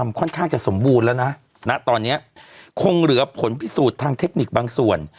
ค่อนข้างจะสมบูรณ์แล้วนะณตอนนี้คงเหลือผลพิสูจน์ทางเทคนิคบางส่วน